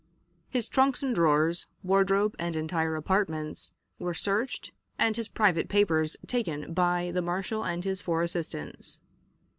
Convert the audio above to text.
His trunks and drawers, wardrobe, and entire apartments were searched, and his private papers taken by the marshal and his four assistants.